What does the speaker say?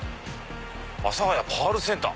「阿佐谷パールセンター」！